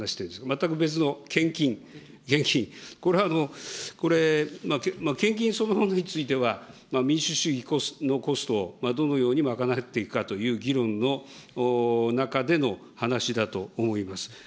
全く別の献金、献金、これはこれ、献金そのものについては、民主主義のコストをどのように賄っていくかという議論の中での話だと思います。